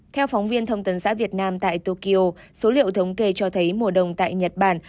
theo phóng viên thông tấn xã việt nam tại tokyo số liệu thống kê cho thấy mùa đông tại nhật bản